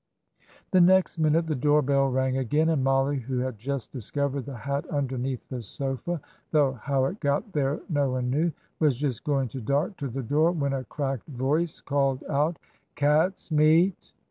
The next minute the door bell rang again, and Mollie, who had just discovered the hat underneath the sofa though how it got there, no one knew was just going to dart to the door, when a cracked voice called out, "Cat's meat!"